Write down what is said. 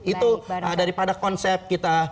itu daripada konsep kita